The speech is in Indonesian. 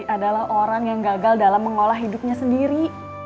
adalah orang yang gagal dalam mengolah hidupnya sendiri